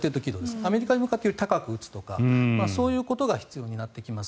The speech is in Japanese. アメリカに向かって高く撃つとかそういうことが必要になってきます。